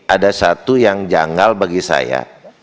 ada satu yang janggal bagi saya